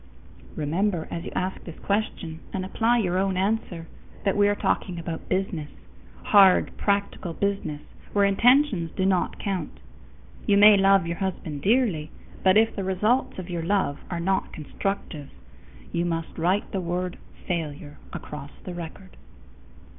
_ Remember, as you ask this question and apply your own answer, that we are talking about business; hard, practical business where intentions do not count. You may love your husband dearly, but if the results of your love are not constructive, you must write the word FAILURE across the record.